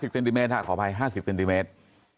เซนติเมตรขออภัย๕๐เซนติเมตร